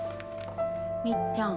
みっちゃん。